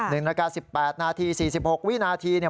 ๑นาฬิกา๑๘นาที๔๖วินาที